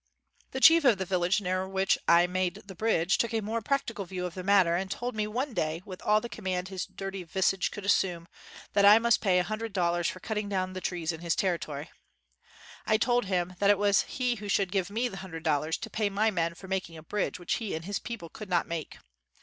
The chief of the village near which I made the bridge, took a more practical view 57 WHITE MAN OF WORK of the matter, and told me one day, with all the command his dirty visage could assume, that I must pay a hundred dollars for cut ting down the trees in his territory. I told him that it was he who should give me the hundred dollars, to pay my men for making a bridge which he and his people could not make.